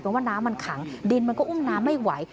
เพราะว่าน้ำมันขังดินมันก็อุ้มน้ำไม่ไหว